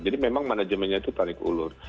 jadi memang manajemennya itu tarik ulur